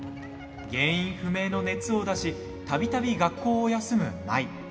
原因不明の熱を出したびたび学校を休む舞。